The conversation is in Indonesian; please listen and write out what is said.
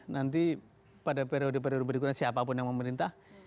nanti pada periode periode berikutnya siapapun yang memerintah